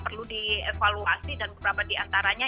perlu dievaluasi dan beberapa diantaranya